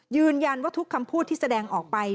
ยืนยันว่าทุกคำพูดที่แสดงออกไป